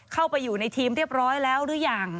เข้าไปอยู่ในทีมเรียบร้อยแล้วหรือยัง